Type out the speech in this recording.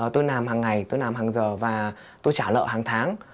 tôi làm hàng ngày tôi làm hàng giờ và tôi trả lợi hàng tháng